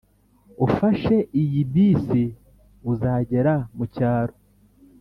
ufashe iyi bisi, uzagera mucyaro.